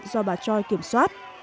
do bà choi kiểm soát